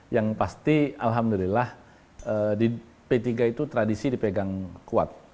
yang pasti alhamdulillah di p tiga itu tradisi dipegang kuat